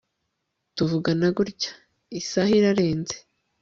tuvugana gutya, isaha irarenze